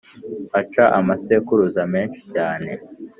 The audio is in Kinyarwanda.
haca amasekuruza menshi cyane